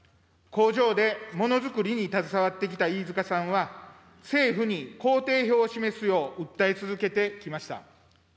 工場でものづくりに携わってきた飯塚さんは、政府に工程表を示すよう訴え続けてきました。